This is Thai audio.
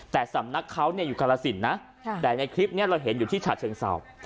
แต่สำนักเขาอยู่คารสินนะแต่ในคลิปนี้เราเห็นอยู่ที่ฉะเชิงเศร้า